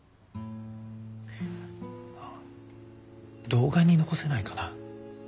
動画に残せないかな。